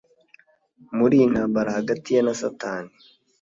muriyi ntambara hagati ye na Satani